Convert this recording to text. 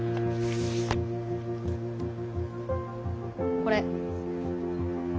これ。